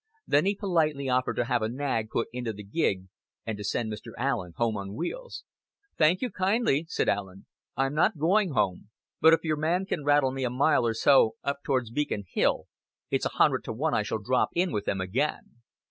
Then he politely offered to have a nag put into the gig and to send Mr. Allen home on wheels. "Thank you kindly," said Allen. "I'm not going home; but if your man can rattle me a mile or so up towards Beacon Hill, it's a hundred to one I shall drop in with them again.